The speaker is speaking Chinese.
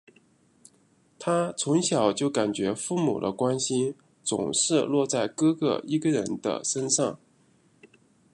她从小就感觉父母的关心总是落在哥哥一个人的身上。